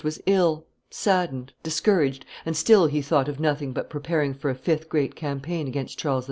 was ill, saddened, discouraged, and still he thought of nothing but preparing for a fifth great campaign against Charles V.